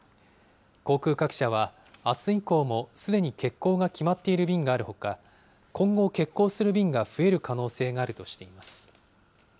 航空各社は、あす以降もすでに欠航が決まっている便があるほか、今後、欠航する便が増える可能性があるとしています。